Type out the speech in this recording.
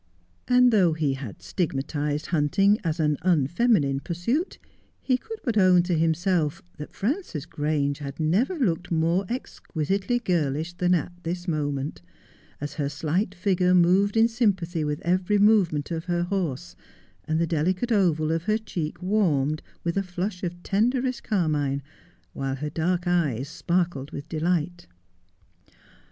And though he had stigmatized hunting as an unfeminine pursuit, he could but own to himself that Frances Grange had never looked more exquisitely girlish than at this moment, as her slight figure moved in sympathy with every movement of her horse, and the delicate oval of her cheek warmed with a flush of tenderest carmine, while her dark eyes sparkled with delight.